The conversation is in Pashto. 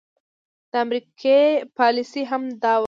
د امريکې پاليسي هم دا وه